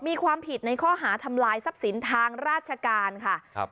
มีความผิดในข้อหาทำลายทรัพย์สินทางราชการค่ะครับ